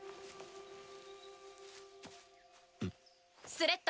スレッタ。